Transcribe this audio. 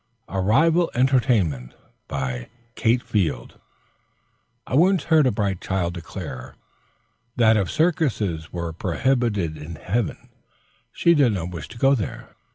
A RIVAL ENTERTAINMENT BY KATE FIELD I once heard a bright child declare that if circuses were prohibited in heaven, she did not wish to go there.